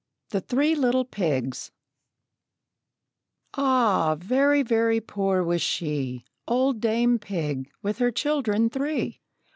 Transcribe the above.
THE THREE LITTLE PIGS Ah, very, very poor was she Old Dame Pig, with her children three!